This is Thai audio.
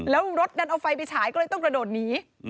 แล้วรถดันเอาไฟไปฉายก็เลยต้องกระโดดหนี